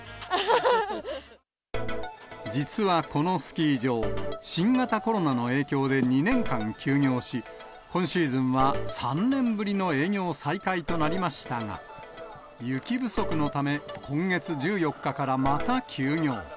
実はこのスキー場、新型コロナの影響で２年間休業し、今シーズンは３年ぶりの営業再開となりましたが、雪不足のため、今月１４日からまた休業。